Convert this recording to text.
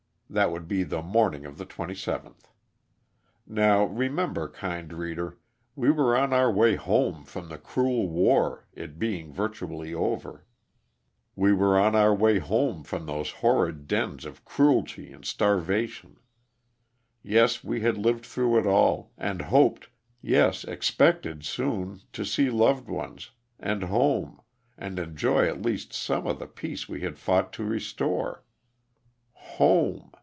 That would be the mornins: of the 27th. Now, remember, kind reader, we were on our way home from the cruel war, it being virtually over. We were on our way home from those horrid dens of cruelty and starvation. Yes, we had lived through it all, and hoped, yes expected soon, to see loved ones and home and enjoy at least some of the peace we had fought to restore. Home!